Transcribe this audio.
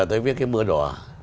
tôi viết cái mưa đỏ